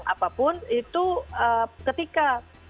apapun itu ketika